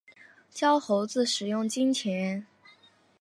教猴子使用金钱